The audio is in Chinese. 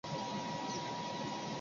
没有人可以经过这里！